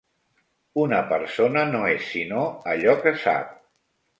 Una persona no és sinó allò que sap.